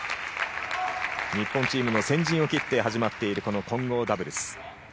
日本チームの先陣を切って始まっている混合ダブルス。